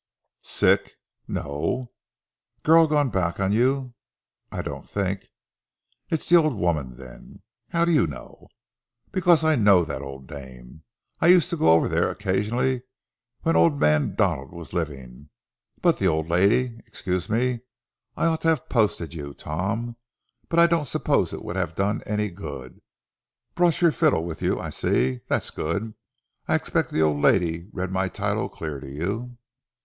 "Sick?" "No." "Girl gone back on you?" "I don't think." "It's the old woman, then?" "How do you know?" "Because I know that old dame. I used to go over there occasionally when old man Donald was living, but the old lady—excuse me! I ought to have posted you, Tom, but I don't suppose it would have done any good. Brought your fiddle with you, I see. That's good. I expect the old lady read my title clear to you."